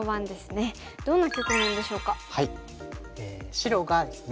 白がですね